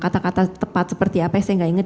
kata kata tepat seperti apa saya nggak ingat